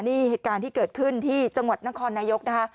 นี่เหตุการณ์ที่เกิดขึ้นที่จังหวัดนครนายกนะคะ